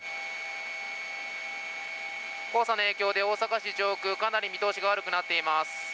黄砂の影響で大阪市上空かなり見通しが悪くなっています。